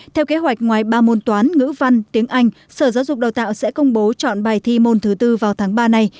theo kế hoạch ngoài ba môn toán ngữ văn tiếng anh sở giáo dục đào tạo sẽ công bố chọn bài thi môn thứ bốn vào tháng ba này